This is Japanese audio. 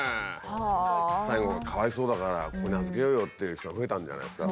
最後がかわいそうだからここに預けようよっていう人が増えたんじゃないんですか。